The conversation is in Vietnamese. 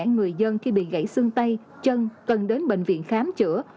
người dân khi bị gãy xương tay chân cần đến bệnh viện khám chữa